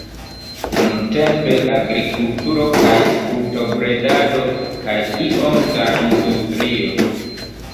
Nuntempe agrikulturo kaj brutobredado kaj iom da industrio.